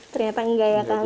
ternyata tidak ya kang